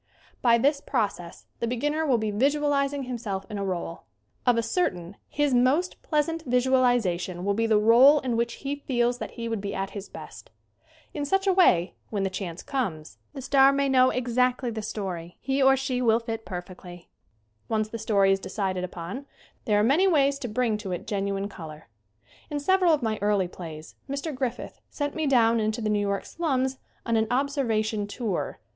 By this process the beginner will be visual izing himself in a role. Of a certain his most pleasant visualization will be the role in which he feels that he would be at his best. In such a way, when the chance comes, the star may 108 SCREEN ACTING know exactly the story he or she will fit per fectly. Once the story is decided upon there are many ways to bring to it genuine color. In several of my early plays Mr. Griffith sent me down into the New York slums on an "observa tion tour."